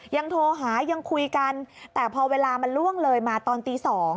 ยังโทรหายังคุยกันแต่พอเวลามันล่วงเลยมาตอนตี๒